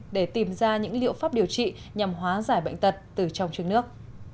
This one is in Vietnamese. để tìm ra những liệu pháp điều trị nhằm hóa giải bệnh tật từ trong nước